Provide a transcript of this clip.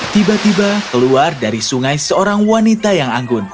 tiba tiba keluar dari sungai seorang wanita yang anggun